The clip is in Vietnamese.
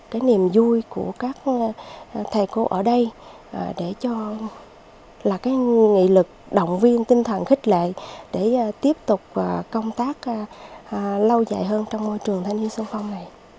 cái niềm vui của các thầy cô ở đây để cho là cái nghị lực động viên tinh thần khích lệ để tiếp tục công tác lâu dài hơn trong môi trường thanh niên sung phong này